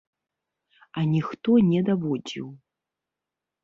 А ніхто не даводзіў.